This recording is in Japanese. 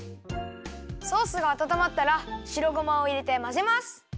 ソースがあたたまったらしろごまをいれてまぜます。